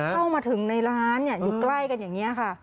เข้ามาถึงในร้านอยู่ใกล้กันอย่างนี้ค่ะ